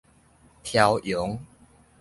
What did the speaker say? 飄揚